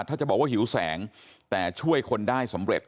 ถ้าจะบอกว่าหิวแสงแต่ช่วยคนได้สำเร็จ